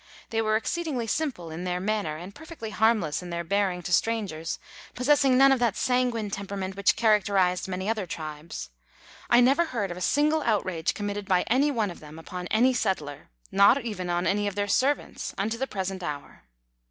They were exceedingly simple in their manner and perfectly harmless in their bearing to strangers, possessing none of that sanguine temperament which characterized many other tribes. I never heard of a single outrage committed by any one of them upon any settler, nor even on any of their servants unto the present hour.